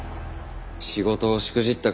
仕事をしくじったか